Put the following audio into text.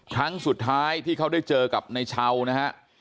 ครั้งสุดท้ายที่เขาได้เจอกับในเช้านะฮะ